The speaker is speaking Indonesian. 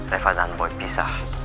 reva dan boy pisah